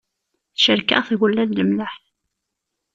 Tecrek-aɣ tgella d lemleḥ.